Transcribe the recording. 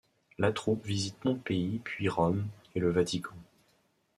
La troupe visite Pompéi puis Rome et le Vatican.